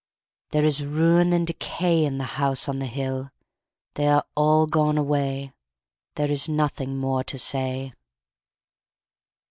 There is ruin and decay In the House on the Hill They are all gone away, There is nothing more to say.